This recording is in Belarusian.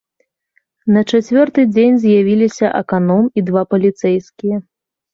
На чацвёрты дзень з'явіліся аканом і два паліцэйскія.